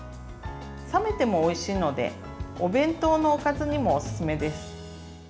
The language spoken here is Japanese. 冷めてもおいしいのでお弁当のおかずにもおすすめです。